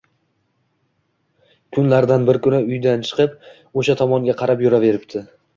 Kunlardan bir kuni uyidan chiqib, oʻsha tomonga qarab yuraveribdi